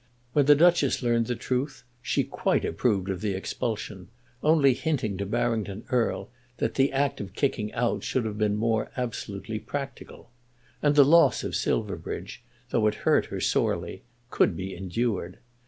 When the Duchess learned the truth she quite approved of the expulsion, only hinting to Barrington Erle that the act of kicking out should have been more absolutely practical. And the loss of Silverbridge, though it hurt her sorely, could be endured.